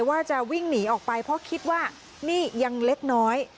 ว่าจะวิ่งหนีออกไปเพราะคิดว่านี่ยังเล็กน้อย